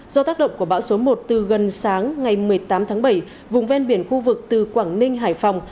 do tác động của bão số một từ gần sáng ngày một mươi tám tháng bảy vùng ven biển khu vực từ quảng ninh hải phòng